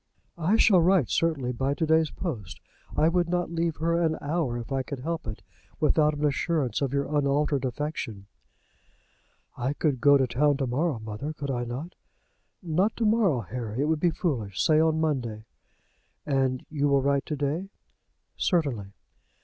"I shall write, certainly, by to day's post. I would not leave her an hour, if I could help it, without an assurance of your unaltered affection." "I could go to town to morrow, mother; could I not?" "Not to morrow, Harry. It would be foolish. Say on Monday." "And you will write to day?" "Certainly."